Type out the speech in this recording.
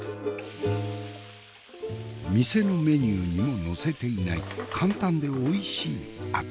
店のメニューにも載せていない簡単でおいしいあて。